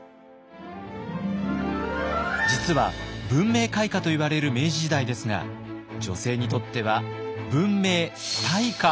実は文明開化といわれる明治時代ですが女性にとっては文明退化？